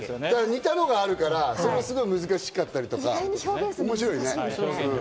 似たのがあるから、すごい難しかったり、面白いね。